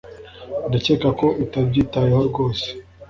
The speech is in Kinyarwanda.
Ndakeka ko utabyitayeho rwose